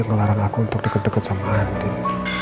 ngelarang aku untuk deket deket sama andin